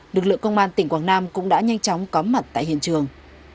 lực lượng công an tỉnh quảng nam cũng đã nhanh chóng có mặt tại hiện trường